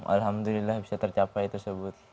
alhamdulillah bisa tercapai tersebut